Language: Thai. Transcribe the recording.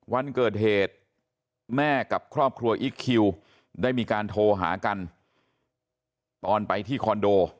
วันเกิดเหตุแม่กับครอบครัวอิ๊กคิวได้มีการโทรหากันตอนไปที่คอนโด